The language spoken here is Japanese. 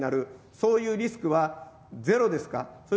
そういうリスクはゼロですか？